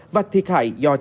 và thiệt hại do cháy nổ gây ra